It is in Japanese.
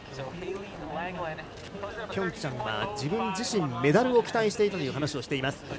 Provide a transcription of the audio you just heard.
ピョンチャンは自分自身メダルを期待していたという話をしています。